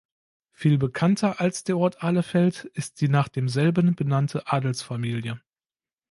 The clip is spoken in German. Viel bekannter als der Ort Ahlefeld ist die nach demselben benannte Adelsfamilie.